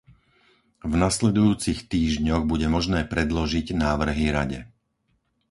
V nasledujúcich týždňoch bude možné predložiť návrhy Rade.